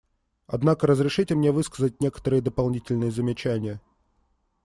Однако разрешите мне высказать некоторые дополнительные замечания.